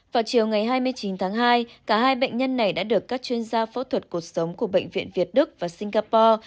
vào chiều ngày hai mươi chín tháng hai cả hai bệnh nhân này đã được các chuyên gia phẫu thuật cuộc sống của bệnh viện việt đức và singapore